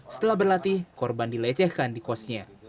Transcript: setelah berlatih korban dilecehkan di kosnya